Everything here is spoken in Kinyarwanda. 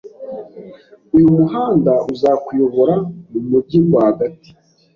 Uyu muhanda uzakuyobora mu mujyi rwagati.